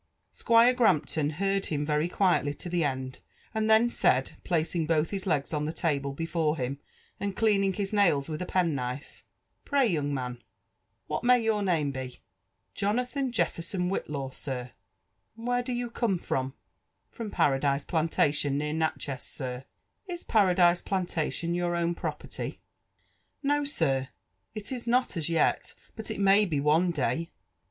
Squire Grampton heard him very quietly to the end, and then said, placing both his legs<ui the table before him, and cleaning his naik with a penknife, '' Pray^ young man, what may your name be ?"" Jonathan Jefferson Whitlaw, sir/' And where do you come from?" ^' From Paradise Plantation, near Natchez, sir/' *' Is Paradise Plantation your own property?" '/' No, sir, it is not a^ yet; but it may be one day."